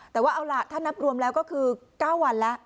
แต่ว่าเอาล่ะถ้านับรวมแล้วก็คือ๙วันแล้ว